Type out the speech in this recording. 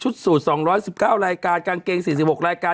ชุดสูตรสองร้อยสิบเก้ารายการกางเกงสี่สิบหกรายการ